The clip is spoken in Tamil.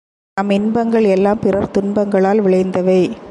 நம் இன்பங்கள் எல்லாம் பிறர் துன்பங்களால் விளைந்தவை.